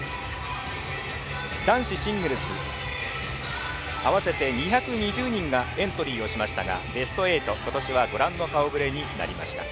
男子シングルス合わせて２２０人がエントリーしましたがベスト８、今年はご覧の顔ぶれになりました。